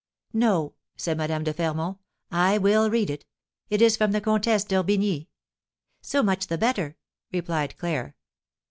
"No," said Madame de Fermont, "I will read it! It is from the Comtesse d'Orbigny." "So much the better," replied Claire.